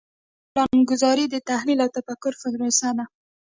پلانګذاري د تحلیل او تفکر پروسه ده.